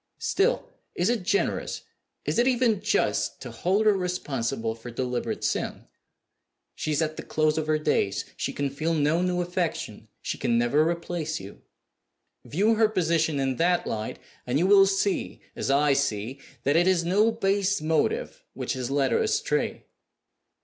Still, is it generous is it even just to hold her responsible for deliberate sin? She is at the close of her days; she can feel no new affection; she can never replace you. View her position in that light, and you will see (as I see) that it is no base motive which has led her astray.